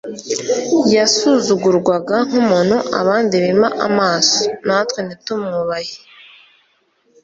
yasuzugurwaga nk'umuntu abandi bima amaso, natwe ntitumwubahe.'»